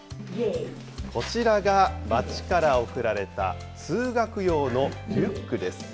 こちらが町から贈られた通学用のリュック。